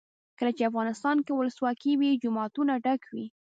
کله چې افغانستان کې ولسواکي وي جوماتونه ډک وي.